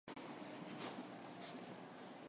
福島県小野町